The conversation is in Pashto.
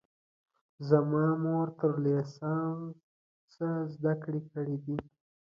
زما مور تر لیسانسه زده کړې کړي دي